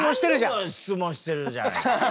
何度も質問してるじゃない。